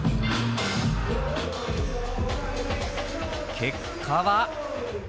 結果は。